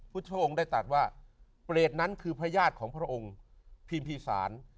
พุทธองค์ได้ตัดว่าเปรตนั้นคือพระญาติของพระองค์พิมพีศาล